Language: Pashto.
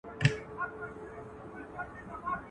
ما لیدلې د وزیرو په مورچو کي.